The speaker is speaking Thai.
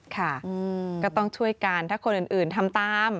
ค่ะก็ต้องช่วยกันถ้าคนอื่นทำตาม